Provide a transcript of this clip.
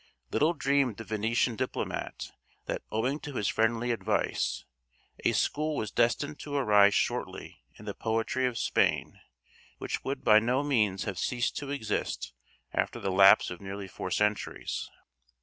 Little dreamed the Venetian diplomat that, owing to his friendly advice, a school was destined to arise shortly in the poetry of Spain which would by no means have ceased to exist after the lapse of nearly four centuries.